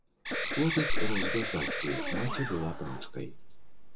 Хлопец рос без бацькі, маці была прачкай.